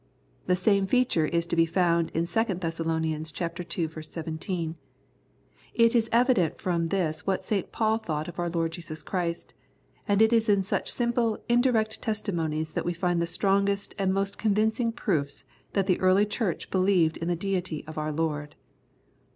The same feature is to be found in 2 Thess. ii. 17. It is evident from this what St. Paul thought of our Lord Jesus Christ, and it is in such simple, indirect testimonies that we find the strongest and most convincing proofs that the early Church believed in the Deity of our Lord.